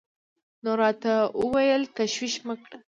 نو راته وويل تشويش مه کړه.